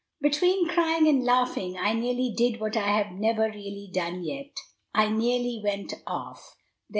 Between crying and laughing, I nearly did what I have never really done yet, I nearly went off. There!